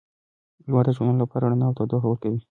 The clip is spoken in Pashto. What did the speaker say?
لمر د ژوند لپاره رڼا او تودوخه ورکوي.